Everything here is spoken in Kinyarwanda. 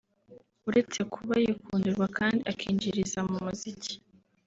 uretse kuba yikundirwa kandi akinjiriza mu muziki